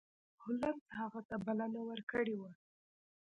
هولمز هغه ته بلنه ورکړې وه.